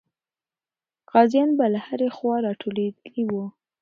غازیان به له هرې خوا راټولېدلې وو.